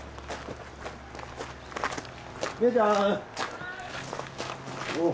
・はい！